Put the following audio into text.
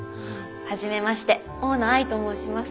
初めまして大野愛と申します。